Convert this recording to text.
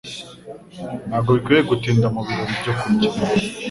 Ntabwo bikwiye gutinda mu birori byo kurya.